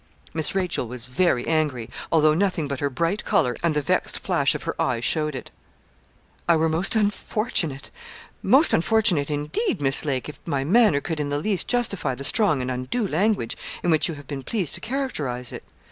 Miss Rachel was very angry although nothing but her bright colour and the vexed flash of her eye showed it. 'I were most unfortunate most unfortunate indeed, Miss Lake, if my manner could in the least justify the strong and undue language in which you have been pleased to characterise it.